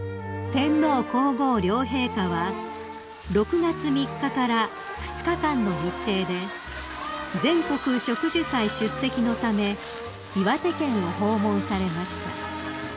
［天皇皇后両陛下は６月３日から２日間の日程で全国植樹祭出席のため岩手県を訪問されました］